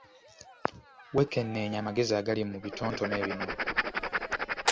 Wekenneenye amagezi agali mu bitontome bino.